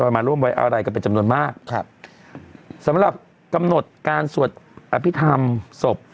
มาร่วมไว้อะไรกันเป็นจำนวนมากครับสำหรับกำหนดการสวดอภิษฐรรมศพ